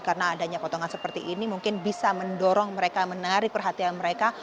karena adanya potongan seperti ini mungkin bisa mendorong mereka menarik perhatian mereka